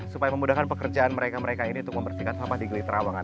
supaya memudahkan pekerjaan mereka mereka ini untuk membersihkan sampah di geli terawangan